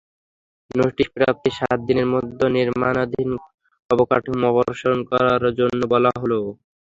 Notice প্রাপ্তির সাত দিনের মধ্যে নির্মাণাধীন অবকাঠোমো অপসারণ করার জন্য বলা হলো।